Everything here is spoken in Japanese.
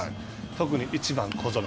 特に１番小園。